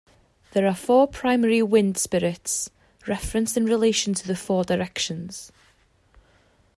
There are four primary wind spirits, referenced in relation to the four directions.